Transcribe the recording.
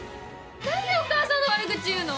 何でお母さんの悪口言うの？